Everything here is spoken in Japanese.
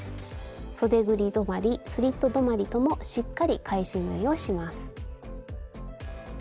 そでぐり止まりスリット止まりともしっかり返し縫いをします。